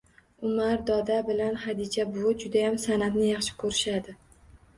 Umar doda bilan Xadicha buvi judayam san’atni yaxshi ko’rishadi.